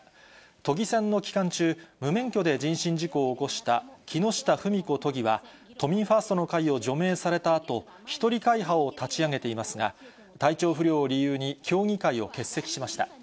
都議選の期間中、無免許で人身事故を起こした木下富美子都議は、都民ファーストの会を除名されたあと、一人会派を立ち上げていますが、体調不良を理由に協議会を欠席しました。